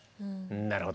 なるほど。